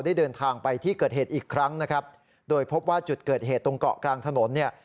ได้เดินทางไปที่เกิดเหตุอีกครั้งนะครับโดยพบว่าจุดเกิดเหตุตรงเกาะกลางถนนเนี่ย